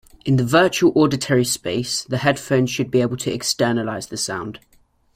In the virtual auditory space, the headphones should be able to "externalize" the sound.